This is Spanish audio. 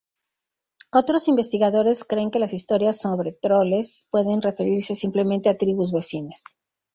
Otros investigadores creen que las historias sobre troles pueden referirse simplemente a tribus vecinas.